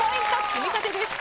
積み立てです。